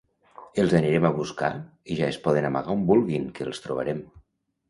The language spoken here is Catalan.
Els anirem a buscar i ja es poden amagar on vulguin que els trobarem.